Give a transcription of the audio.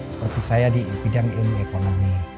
seperti saya di bidang ilmu ekonomi